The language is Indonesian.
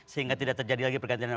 sehingga tidak terjadi lagi pergantian